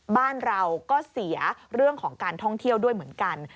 บ้านเราก็เสียเรื่องของการท่องเที่ยวด้วยเหมือนกัน